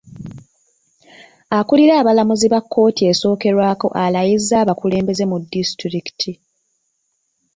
Akulira abalamuzi ba kkooti esookerwako alayizza abakulembeze mu disitulikiti.